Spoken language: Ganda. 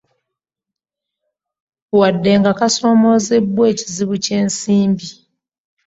Wadde nga kasoomoozebwa ekizibu ky'ensimbi